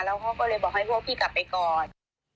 แล้วเขาก็เลยบอกให้พวกพี่กลับไปก่อน